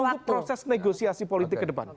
untuk proses negosiasi politik ke depan